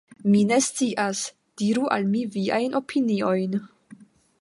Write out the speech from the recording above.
Mi ne scias. Diru al mi viajn opiniojn.